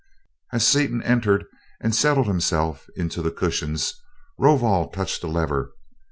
As Seaton entered and settled himself into the cushions, Rovol touched a lever.